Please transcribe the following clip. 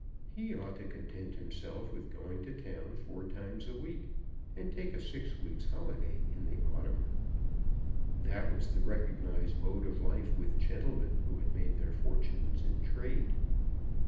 He ought to content himself with going to town four times a week, and take a six weeks' holiday in the autumn. That was the recognised mode of life with gentlemen who had made their fortunes in trade.